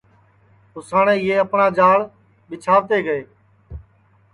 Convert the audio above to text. اُساٹؔے یہ اپٹؔا جال ٻیچھاتے گے اور پیچھیں جموُریتاپ اِن کا جال ناکام گیا